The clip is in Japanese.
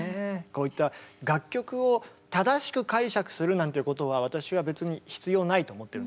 こういった楽曲を正しく解釈するなんていうことは私は別に必要ないと思ってるんですけど。